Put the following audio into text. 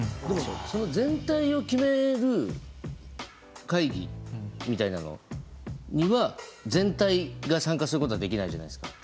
その全体を決める会議みたいなのには全体が参加することはできないじゃないですか？